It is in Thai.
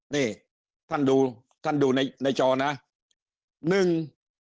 นี่ท่านดูท่านดูในในจอนะหนึ่ง